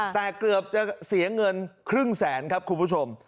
แต่เกือบจะเสียเงินครึ่งแสนครับคุณผู้ชม